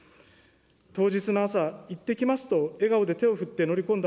当日の朝、いってきますと、笑顔で手を振って乗り込んだ